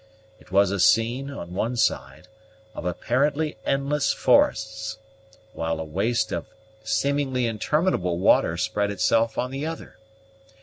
It was a scene, on one side, of apparently endless forests, while a waste of seemingly interminable water spread itself on the other.